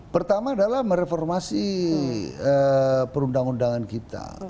pertama adalah mereformasi perundang undangan kita